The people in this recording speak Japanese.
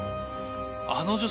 あの女性